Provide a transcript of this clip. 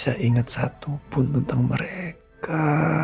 saya gak bisa ingat satu pun tentang mereka